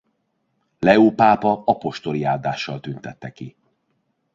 Leó pápa apostoli áldással tüntette ki.